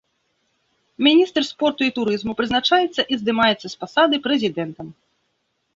Міністр спорту і турызму прызначаецца і здымаецца з пасады прэзідэнтам.